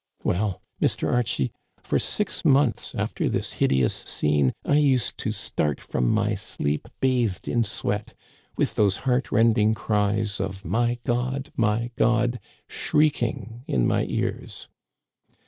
Well, Mr. Archie, for six months after this hideous scene I used to start from my sleep bathed in sweat, with those heart rending cries of * My God ! My God !' shrieking in my ears.